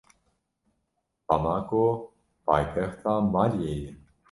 Bamako paytexta Maliyê ye.